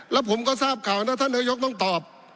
แล้วผมเก็บค่าทท้ายกต้องตอบ